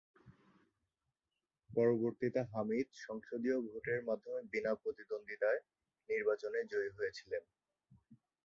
পরবর্তীতে হামিদ সংসদীয় ভোটের মাধ্যমে বিনা প্রতিদ্বন্দ্বিতায় নির্বাচনে জয়ী হয়েছিলেন।